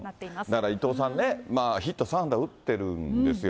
だから伊藤さんね、ヒット３安打打ってるんですよ。